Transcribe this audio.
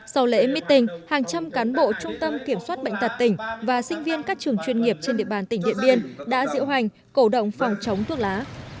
sau lễ meeting hàng trăm cán bộ trung tâm kiểm soát bệnh tật tỉnh và sinh viên các trường chuyên nghiệp trên địa bàn tỉnh điện biên đã diễu hành cổ động phòng chống thuốc lá